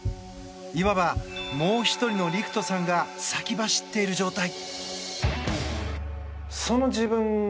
いわば、もう１人の陸斗さんが先走っている状態。